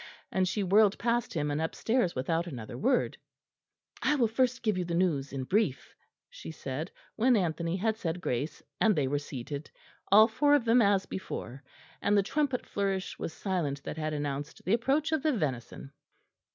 and she whirled past him and upstairs without another word. "I will first give you the news in brief," she said, when Anthony had said grace and they were seated, all four of them as before; and the trumpet flourish was silent that had announced the approach of the venison.